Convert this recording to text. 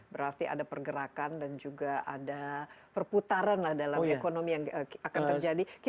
berarti ada pergerakan dan juga ada perputaran dalam ekonomi yang akan terjadi